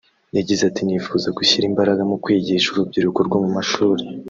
yagize ati ʺNifuza gushyira imbaraga mu kwigisha urubyiruko rwo mu mashuri